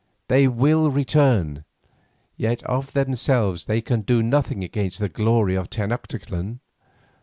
They will return, yet of themselves they can do nothing against the glory of Tenoctitlan.